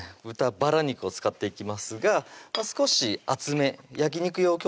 豚バラ肉を使っていきますが少し厚め焼肉用